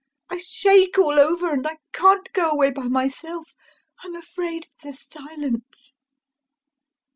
I shake all over, and I can't go away by myself, I'm afraid of the silence.